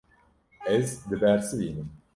Ez dibersivînim.